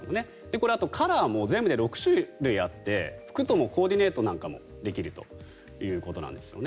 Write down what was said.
これはカラーも全部で６種類あって服ともコーディネートなんかもできるということなんですね。